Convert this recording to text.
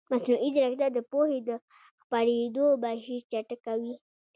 مصنوعي ځیرکتیا د پوهې د خپرېدو بهیر چټکوي.